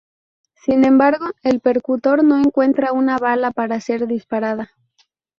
Sin embargo, el percutor no encuentra una bala para ser disparada.